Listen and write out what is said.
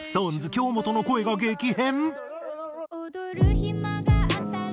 京本の声が激変？